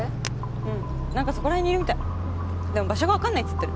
うん何かそこら辺にいるみたいでも場所が分かんないっつってる